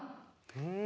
うん。